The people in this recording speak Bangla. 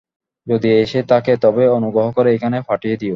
যদি এসে থাকে, তবে অনুগ্রহ করে এখানে পাঠিয়ে দিও।